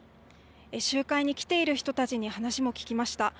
集会に来ている人たちに話も聞きました。